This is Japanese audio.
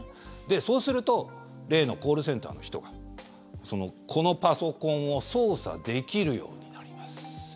そうすると例のコールセンターの人がこのパソコンを操作できるようになります。